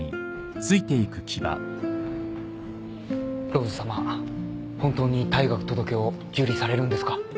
ローズさま本当に退学届を受理されるんですか？